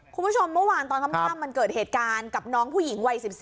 คุณผู้ชมเมื่อวานตอนค่ำมันเกิดเหตุการณ์กับน้องผู้หญิงวัย๑๔